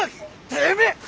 てめえ！